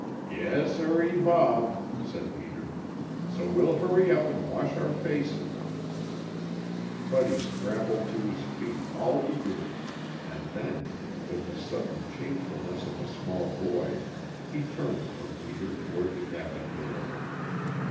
"Yes, siree, Bob!" said Peter. "So we'll hurry up and wash our faces " Buddy scrambled to his feet, all eagerness, and then, with the sudden changefulness of a small boy, he turned from Peter, toward the cabin door.